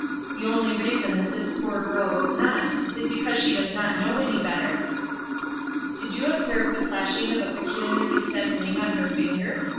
The only reason that this poor girl was not, is because she does not know any better. "Did you observe the flashing of a peculiarly set ring on her finger?